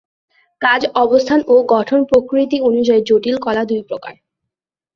কাজ, অবস্থান ও গঠন প্রকৃতি অনুযায়ী জটিল কলা দুই প্রকার।